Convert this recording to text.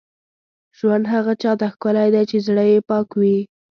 ژوند هغه چا ته ښکلی دی، چې زړه یې پاک وي.